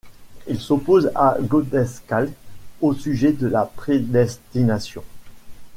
Il s'oppose à Godescalc au sujet de la prédestination.